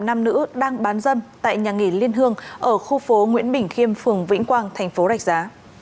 nam nữ đang bán dâm tại nhà nghỉ liên hương ở khu phố nguyễn bình khiêm phường vĩnh quang thành phố rạch giá